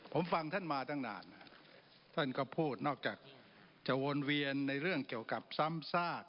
ผมฟังท่านมาตั้งนานท่านก็พูดนอกจากจะวนเวียนในเรื่องเกี่ยวกับซ้ำซาก